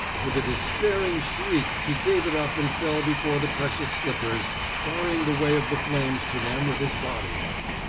With a despairing shriek he gave it up and fell before the precious slippers, barring the way of the flames to them with his body.